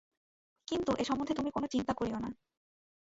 কিন্তু এ সম্বন্ধে তুমি কোনো চিন্তা করিয়ো না।